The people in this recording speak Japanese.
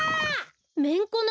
めんこの。